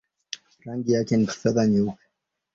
Rangi yake ni kifedha-nyeupe.